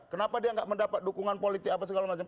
kenapa dia nggak mendapat dukungan politik apa segala macam